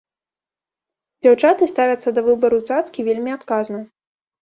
Дзяўчаты ставяцца да выбару цацкі вельмі адказна.